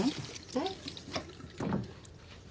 えっ？